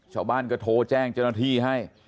ชาวบ้านก็โทรแจ้งเจ้าหน้าที่ให้